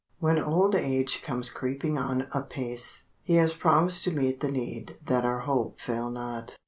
When old age comes creeping on apace, He has promised to meet the need that our hope fail not.